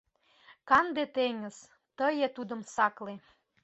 Канде теҥыз, тые тудым сакле».